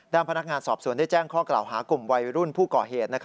พนักงานสอบสวนได้แจ้งข้อกล่าวหากลุ่มวัยรุ่นผู้ก่อเหตุ